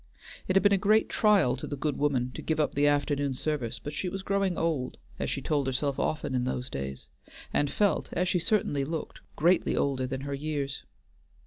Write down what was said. It had been a great trial to the good woman to give up the afternoon service, but she was growing old, as she told herself often in those days, and felt, as she certainly looked, greatly older than her years.